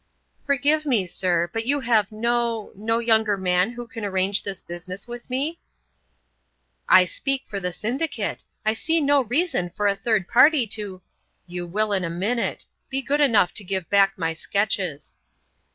"Forgive me, sir, but you have no—no younger man who can arrange this business with me?" "I speak for the syndicate. I see no reason for a third party to——" "You will in a minute. Be good enough to give back my sketches."